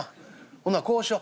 ほなこうしよう。